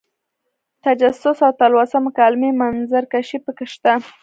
تجسس او تلوسه مکالمې منظر کشۍ پکې شته.